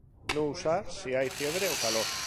No usar si hay fiebre o calor.